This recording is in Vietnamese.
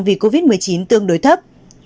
vì covid một mươi chín tương đối thấp